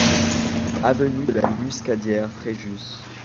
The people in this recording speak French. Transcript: Avenue de la Muscadière, Fréjus